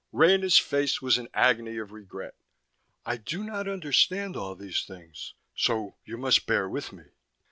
Rena's face was an agony of regret. "I do not understand all these things, so you must bear with me.